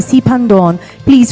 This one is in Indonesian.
pemerintah pemerintah lau